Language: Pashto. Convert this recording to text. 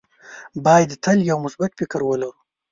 باید تل یو مثبت فکر ولره.